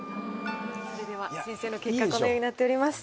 それでは先生の結果このようになっております。